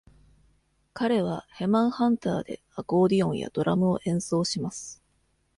彼は Heman Hunters でアコーディオンやドラムを演奏します。